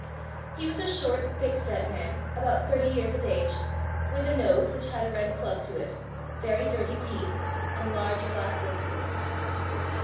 He was a short, thickset man, about thirty years of age, with a nose which had a red club to it, very dirty teeth, and large black whiskers.